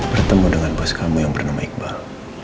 bertemu dengan bos kamu yang bernama iqbal